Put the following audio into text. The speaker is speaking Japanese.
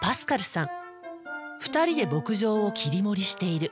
２人で牧場を切り盛りしている。